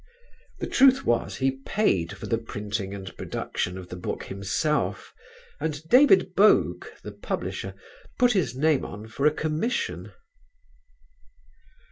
The truth was, he paid for the printing and production of the book himself, and David Bogue, the publisher, put his name on for a commission.